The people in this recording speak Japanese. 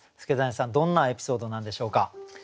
祐真さんどんなエピソードなんでしょうか？